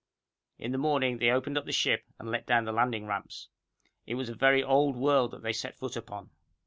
In the morning they opened up the ship, and let down the landing ramps. It was a very old world that they set foot upon.